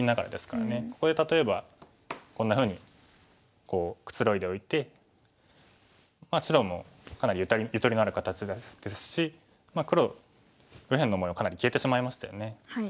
ここで例えばこんなふうにくつろいでおいて白もかなりゆとりのある形ですし黒右辺の模様かなり消えてしまいましたよね。